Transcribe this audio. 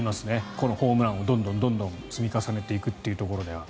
このホームランをどんどん積み重ねていくってところでは。